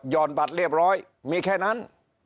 อนบัตรเรียบร้อยมีแค่นั้น